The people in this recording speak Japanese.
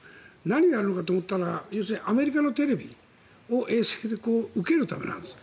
何があるのかと思ったら要するにアメリカのテレビを衛星で受けるためなんです。